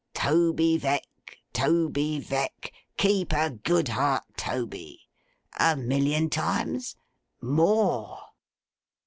Toby Veck, Toby Veck, keep a good heart, Toby!" A million times? More!